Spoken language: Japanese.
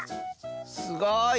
すごい！